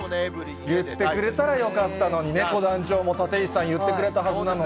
言ってくれたらよかったのに、ねこ団長も、立石さん、言ってくれたはずなので。